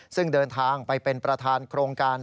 ซึ่งเดินทางไปเป็นประธานโครงการ